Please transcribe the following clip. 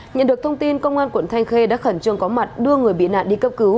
nhận được thông tin công an quận thanh khê đã khẩn trương có mặt đưa người bị nạn đi cấp cứu